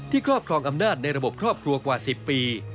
ครอบครองอำนาจในระบบครอบครัวกว่า๑๐ปี